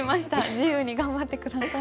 自由に頑張って下さい。